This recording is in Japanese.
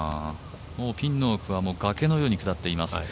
ピンの奥は崖のように下っています。